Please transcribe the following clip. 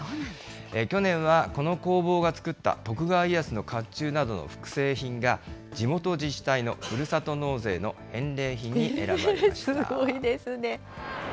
去年はこの工房が作った徳川家康のかっちゅうなどの複製品が、地元自治体のふるさと納税の返礼品に選ばれました。